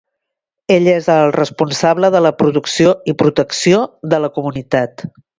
Ell és el responsable de la producció i protecció de la comunitat.